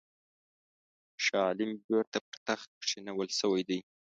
شاه عالم بیرته پر تخت کښېنول سوی دی.